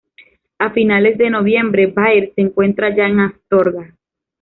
A finales de noviembre Baird se encuentra ya en Astorga.